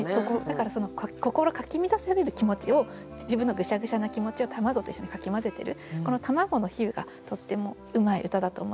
だからその心かき乱される気持ちを自分のぐしゃぐしゃな気持ちを卵と一緒にかき混ぜてるこの卵の比喩がとってもうまい歌だと思います。